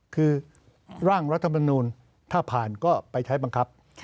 คือร่างรัฐมนูลถ้าผ่านก็ไปใช้บังคับ